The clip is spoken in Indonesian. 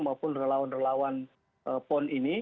maupun relawan relawan pon ini